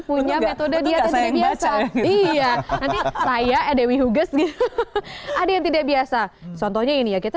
punya metode dia saya ngebaca iya saya dewi huges nih ada yang tidak biasa contohnya ini ya kita